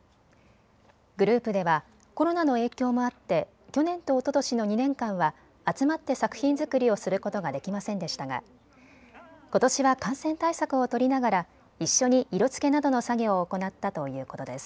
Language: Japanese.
グループではコロナの影響もあって去年とおととしの２年間は集まって作品作りをすることができませんでしたがことしは感染対策を取りながら一緒に色つけなどの作業を行ったということです。